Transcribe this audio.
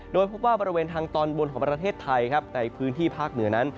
โดยพบว่าบริเวณทางตอนบนของประเทศไทยครับในพื้นที่ภาคเหนือนั้น